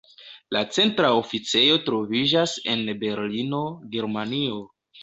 La centra oficejo troviĝas en Berlino, Germanio.